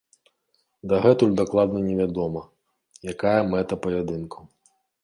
Дагэтуль дакладна невядома, якая мэта паядынкаў.